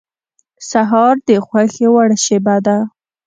سهار د خوښې وړ شېبه ده.